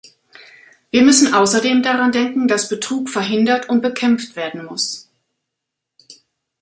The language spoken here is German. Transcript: Wir müssen außerdem daran denken, dass Betrug verhindert und bekämpft werden muss.